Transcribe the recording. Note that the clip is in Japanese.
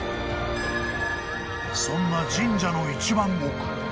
［そんな神社の一番奥］